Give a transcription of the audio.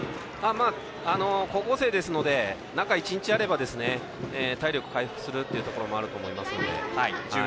高校生ですので中１日あれば体力回復するというところもあると思いますので。